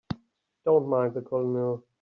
Don't mind the Colonel.